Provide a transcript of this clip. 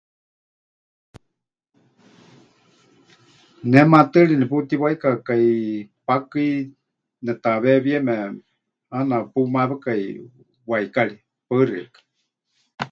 Ne maatɨari neputíwaikakai pakɨi netaweewíeme, ʼaana pumawekai waikari. Paɨ xeikɨ́a.